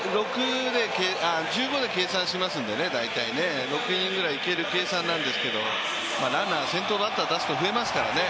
１５で計算しますので、６イニングぐらいいける計算なんですけど、ランナーが先頭バッターを出すと増えますからね。